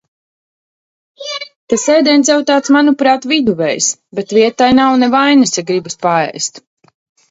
Tas ēdiens jau tāds, manuprāt, viduvējs, bet vietai nav ne vainas, ja gribas paēst.